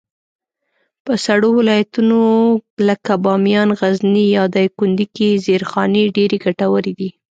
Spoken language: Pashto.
په سړو ولایتونو لکه بامیان، غزني، یا دایکنډي کي زېرخانې ډېرې ګټورې دي.